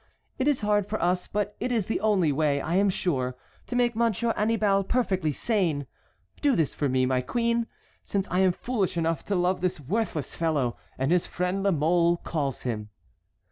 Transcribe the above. It is hard for us, but it is the only way, I am sure, to make Monsieur Annibal perfectly sane. Do this for me, my queen! since I am foolish enough to love this worthless fellow, as his friend La Mole calls him."